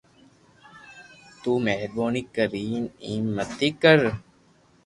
تو مھربوني ڪرن ايم متي ڪر